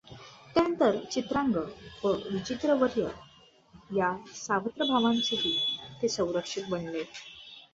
त्यानंतर चित्रांगद व विचित्रवीर्य या सावत्रभावांचेही ते संरक्षक बनले.